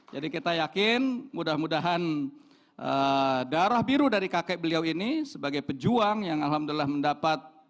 jadi kita yakin mudah mudahan darah biru dari kakek beliau ini sebagai pejuang yang alhamdulillah mendapat